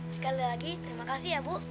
sekali lagi terima kasih ya bu